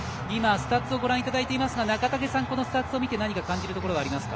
スタッツご覧いただいていますが中竹さん、このスタッツを見て何か感じることはありますか？